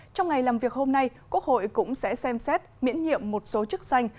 trong ngày làm việc hôm nay quốc hội cũng sẽ xem xét miễn nhiệm một số chức danh